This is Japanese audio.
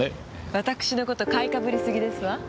私の事買いかぶりすぎですわ。